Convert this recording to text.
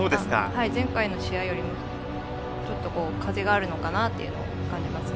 前回の試合よりもちょっと風があるのかなと感じます。